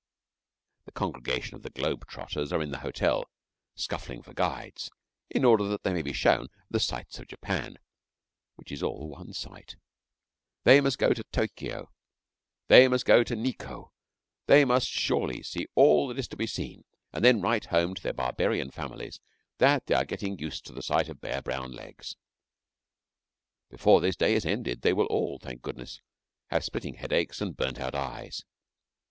The congregation of the globe trotters are in the hotel, scuffling for guides, in order that they may be shown the sights of Japan, which is all one sight. They must go to Tokio, they must go to Nikko; they must surely see all that is to be seen and then write home to their barbarian families that they are getting used to the sight of bare, brown legs. Before this day is ended, they will all, thank goodness, have splitting headaches and burnt out eyes.